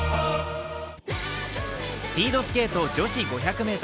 スピードスケート女子５００ｍ。